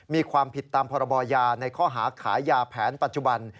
มีความผิดตามพรบยาในข้อหาขายยาแผนปัจจุบัน